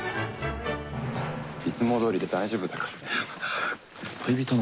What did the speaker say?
いつもどおりで大丈夫だから。